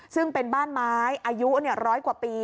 ซึ่งเป็นบ้านไม้อายุร้อยกว่าปี